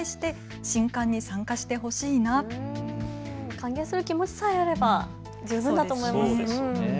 歓迎する気持ちさえあれば十分だと思います。